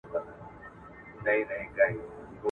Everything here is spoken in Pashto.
ګاونډیانو په خپلو منځونو کې د دې عجیبه کیسې یادونه کوله.